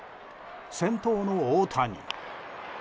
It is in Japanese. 先頭の大谷。